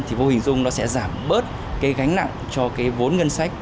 thì vô hình dung nó sẽ giảm bớt gánh nặng cho vốn ngân sách